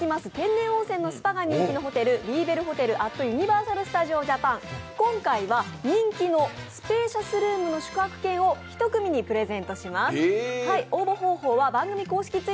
天然温泉のスパが人気のホテルリーベルホテルアットユニバーサル・スタジオ・ジャパンの宿泊券を１名様にプレゼントします。